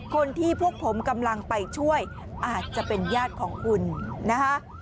คนที่พวกผมกำลังไปช่วยอาจจะเป็นญาติของคุณนะคะ